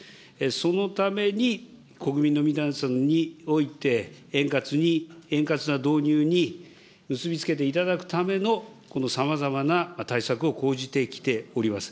そのために国民の皆さんにおいて円滑に、円滑な導入に結び付けていただくための、このさまざまな対策を講じてきております。